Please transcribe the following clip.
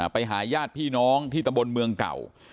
ไปหาญาติพี่น้องที่ตะบนเมืองเก่า